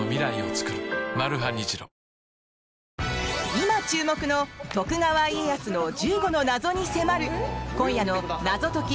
今、注目の徳川家康の１５の謎に迫る今夜の「謎解き！